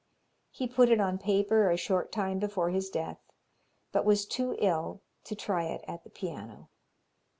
He put it on paper a short time before his death, but was too ill to try it at the piano.